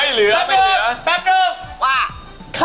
เฮ้ย